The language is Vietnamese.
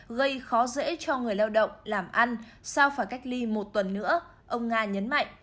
gây khó dễ cho người lao động làm ăn sau phải cách ly một tuần nữa ông nga nhấn mạnh